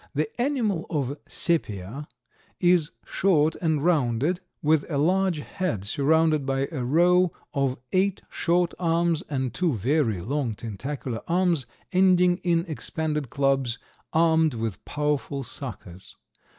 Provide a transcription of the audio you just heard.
The animal of Sepia is short and rounded, with a large head surrounded by a row of eight short arms and two very long tentacular arms, ending in expanded clubs armed with powerful suckers.